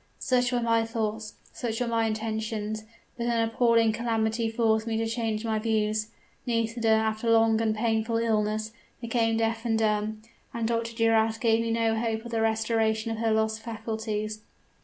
"Such were my thoughts such were my intentions. But an appalling calamity forced me to change my views. Nisida, after a long and painful illness, became deaf and dumb; and Dr. Duras gave me no hope of the restoration of her lost faculties.